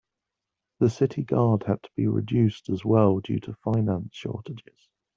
The city guard had to be reduced as well due to finance shortages.